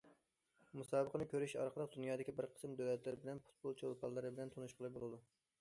مۇسابىقىنى كۆرۈش ئارقىلىق دۇنيادىكى بىر قىسىم دۆلەتلەر بىلەن، پۇتبول چولپانلىرى بىلەن تونۇشقىلى بولىدۇ.